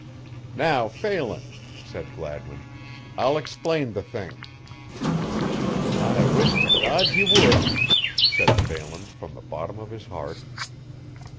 "Now, Phelan," said Gladwin, "I'll explain the thing." "I wish to God ye would!" said Phelan from the bottom of his heart.